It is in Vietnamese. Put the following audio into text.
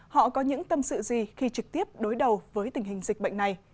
họ có những tâm sự gì khi trực tiếp đối đầu với tình hình dịch bệnh này